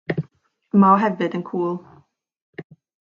Mae o hefyd yn cŵl.